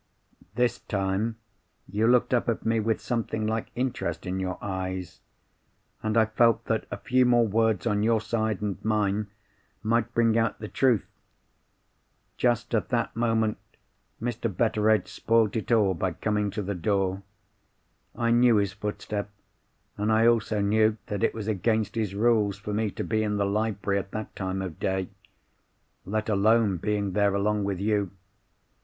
This time, you looked up at me with something like interest in your eyes; and I felt that a few more words on your side and mine might bring out the truth. Just at that moment, Mr. Betteredge spoilt it all by coming to the door. I knew his footstep, and I also knew that it was against his rules for me to be in the library at that time of day—let alone being there along with you.